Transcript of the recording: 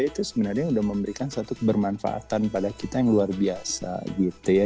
itu sebenarnya sudah memberikan satu kebermanfaatan pada kita yang luar biasa gitu ya